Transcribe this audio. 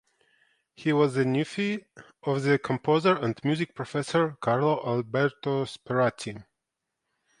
He was the nephew of the composer and music professor Carlo Alberto Sperati.